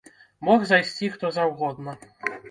Мог зайсці хто заўгодна.